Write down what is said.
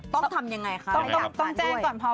ต้องทำยังไงคะ